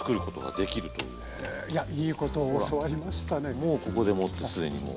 もうここでもって既にもう。